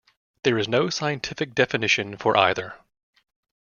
There is no scientific definition for either.